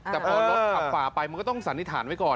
แต่พอรถขับฝ่าไปมันก็ต้องสันนิษฐานไว้ก่อน